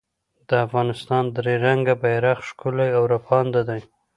د افغانستان درې رنګه بېرغ ښکلی او رپاند دی